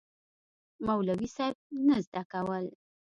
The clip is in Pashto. مولوي صېب نه زده کول